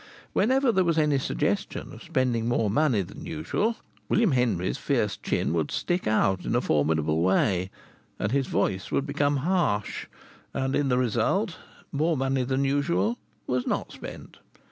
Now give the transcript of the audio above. Whenever there was any suggestion of spending more money than usual, William Henry's fierce chin would stick out in a formidable way, and his voice would become harsh, and in the result more money than usual was not spent.